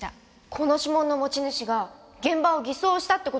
この指紋の持ち主が現場を偽装したって事ですか？